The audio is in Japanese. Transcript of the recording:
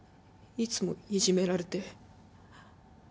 いつもいじめられて。